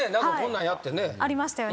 ありましたよね。